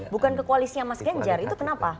bukan ke koalisnya mas ganjar itu kenapa